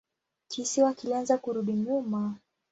Kisiwa kilianza kurudi nyuma.